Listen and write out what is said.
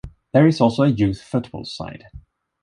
There is also a youth football side.